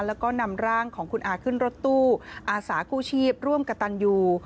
แล้วก็นำร่างของคุณอาขึ้นรถตู้อาสากู้ชีพร่วมกระตันยู